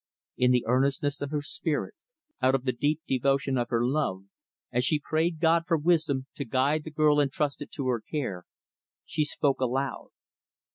In the earnestness of her spirit out of the deep devotion of her love as she prayed God for wisdom to guide the girl entrusted to her care, she spoke aloud.